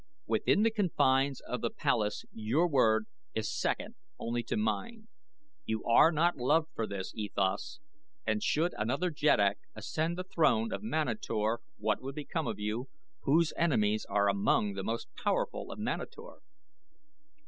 Within the confines of the palace your word is second only to mine. You are not loved for this, E Thas, and should another jeddak ascend the throne of Manator what would become of you, whose enemies are among the most powerful of Manator?"